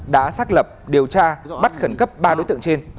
đã xác lập điều tra bắt khẩn cấp ba đối tượng trên